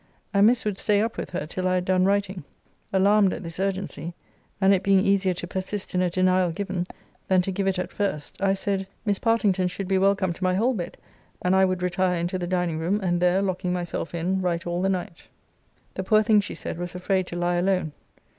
And Miss would stay up with her till I had done writing. Alarmed at this urgency, and it being easier to persist in a denial given, than to give it at first, I said, Miss Partington should be welcome to my whole bed, and I would retire into the dining room, and there, locking myself in, write all the night. The poor thing, she said, was afraid to lie alone.